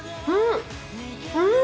うん！